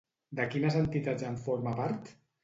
De quines entitats en forma part?